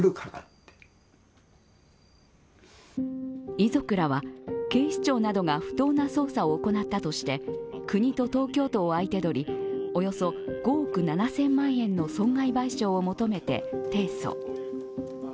遺族らは警視庁などが不当な捜査を行ったとして国と東京都を相手取り、およそ５億７０００万円の損害賠償を求めて提訴。